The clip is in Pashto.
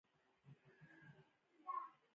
ژوندي د ژوند ښکلا درک کوي